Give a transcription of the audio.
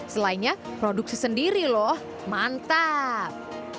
selainnya produksi sendiri loh mantap